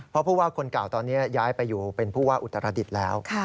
เพราะผู้ว่าคนเก่าตอนนี้ย้ายไปอยู่เป็นผู้ว่าอุตรดิษฐ์แล้ว